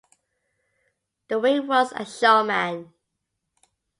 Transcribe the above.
Duren was a showman.